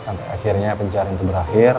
sampai akhirnya pencarian itu berakhir